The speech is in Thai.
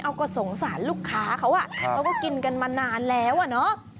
เอาก็สงสารลูกค้าเขาอ่ะเขาก็กินกันมานานแล้วอ่ะเนอะ